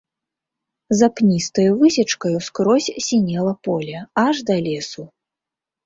За пністаю высечкаю скрозь сінела поле, аж да лесу.